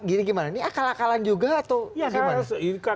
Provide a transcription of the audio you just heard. ini gimana ini akal akalan juga atau gimana